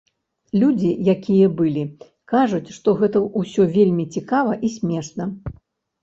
Людзі, якія былі, кажуць, што гэта ўсё вельмі цікава і смешна!